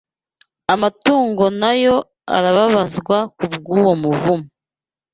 Amatungo na yo arababazwa kubw’uwo muvumo.